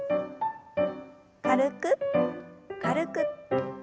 軽く軽く。